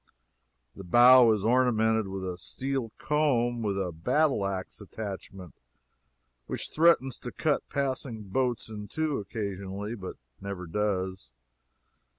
The bow is ornamented with a steel comb with a battle ax attachment which threatens to cut passing boats in two occasionally, but never does.